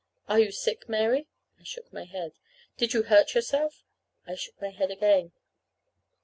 "Are you sick, Mary?" I shook my head. "Did you hurt yourself?" I shook my head again.